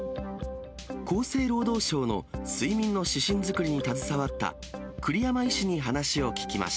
厚生労働省の睡眠の指針作りに携わった、栗山医師に話を聞きまし